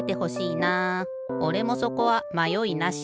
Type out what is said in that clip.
おれもそこはまよいなし。